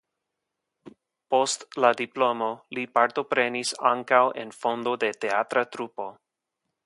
Post la diplomo li partoprenis ankaŭ en fondo de teatra trupo.